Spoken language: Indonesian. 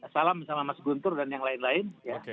salam sama mas guntur dan yang lain lain